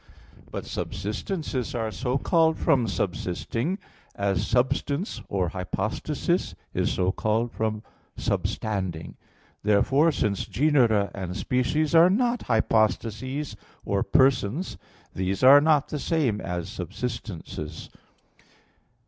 But subsistences are so called from subsisting, as substance or hypostasis is so called from substanding. Therefore, since genera and species are not hypostases or persons, these are not the same as subsistences.